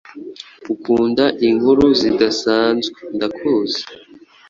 Ukunda inkuru zidasanzwe ndakuzi?